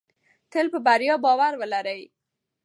تل په بریا باور ولرئ.